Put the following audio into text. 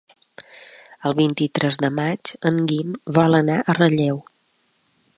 El vint-i-tres de maig en Guim vol anar a Relleu.